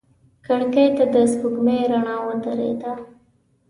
کړکۍ ته د سپوږمۍ رڼا ورېده.